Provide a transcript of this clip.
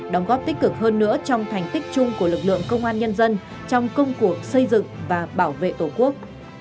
đóng góp tích cực hơn nữa trong thành tích chung của lực lượng công an nhân dân trong công cuộc xây dựng và bảo vệ tổ quốc